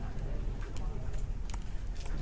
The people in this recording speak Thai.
แต่ว่าสามีด้วยคือเราอยู่บ้านเดิมแต่ว่าสามีด้วยคือเราอยู่บ้านเดิม